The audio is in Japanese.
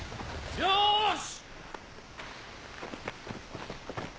よし！